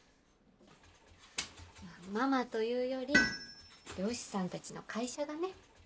ママというより漁師さんたちの会社がね。